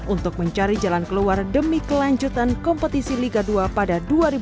untuk mencari jalan keluar demi kelanjutan kompetisi liga dua pada dua ribu dua puluh dua dua ribu dua puluh tiga